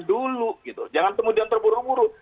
dulu gitu jangan kemudian terburu buru